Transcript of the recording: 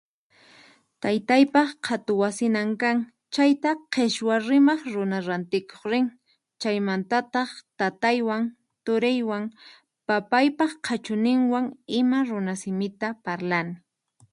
Taytaypaq qhatu wasinan kan, chayta qichwa rimaq runa rantikuq rin, chaymantataq tataywan, turiywan, papaypaq qhachunniwan ima runa simita parlani.